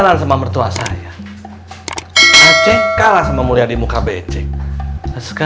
bay subscribed aja tapi aku tidak